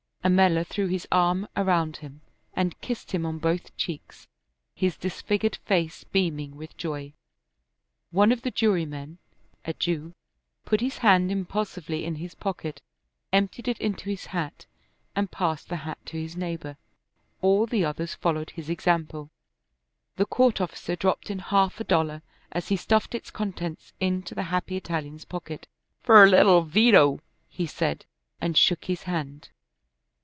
Ammella threw his arm around him and kissed him on both cheeks, his disfigured face beaming with joy. One of the jurymen, a Jew, put his hand impulsively in his pocket, emptied it into his hat, and passed the hat to his neighbor. All the others followed his example. The court officer dropped in half a dollar as he stuffed its contents into the happy Italian's pocket. "For little Vito," he said, and shook his hand.